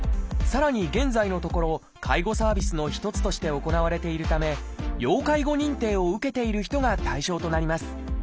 さらに現在のところ介護サービスの一つとして行われているため要介護認定を受けている人が対象となります。